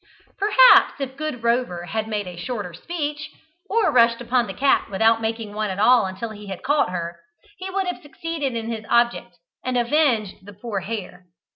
Perhaps if good Rover had made a shorter speech, or rushed upon the cat without making one at all until he had caught her, he would have succeeded in his object, and avenged the poor hare.